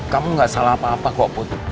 kamu gak salah apa apa kok